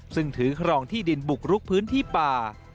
ซึ่งถือครองที่ดินบุกรุกพื้นที่ป่า